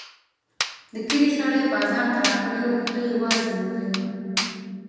د کلي سړی بازار ته راغلی وو؛ خوله يې وازه نيولې وه.